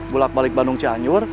gulak balik bandung cianyur